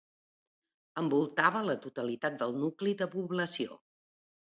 Envoltava la totalitat del nucli de població.